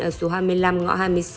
ở số hai mươi năm ngõ hai mươi sáu